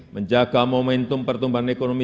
menjaga momentum pertumbuhan ekonomi